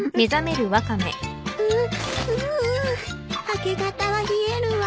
明け方は冷えるわ。